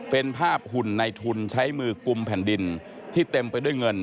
เป็นภาพหุ่นในทุนใช้มือกลุ่มแผ่นดินที่เต็มไปด้วยเงิน